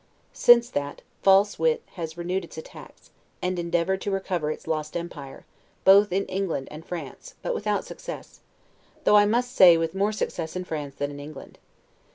Since that, false wit has renewed its attacks, and endeavored to recover its lost empire, both in England and France; but without success; though, I must say, with more success in France than in England.